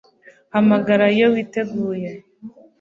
Hamagara iyo witeguye